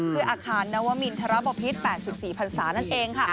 เพื่ออาคารนวมิลธรรมพิษ๘๔ภาษานั่นเองค่ะ